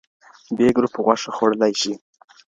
B ګروپ غوښه خوړلی شي.